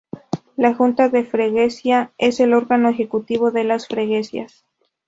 La "junta de freguesia" es el órgano ejecutivo de las "freguesias".